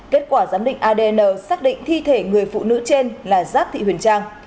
kết quả giám định adn xác định thi thể người phụ nữ trên là giáp thị huyền trang